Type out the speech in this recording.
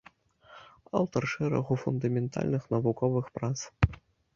Аўтар шэрагу фундаментальных навуковых прац.